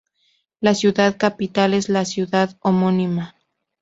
La ciudad capital es la ciudad homónima.